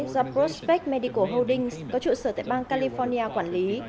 do prospec medical holdings có trụ sở tại bang california quản lý